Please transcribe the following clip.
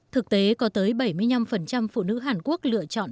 thực tế có tới bảy mươi năm phụ nữ hàn quốc lựa chọn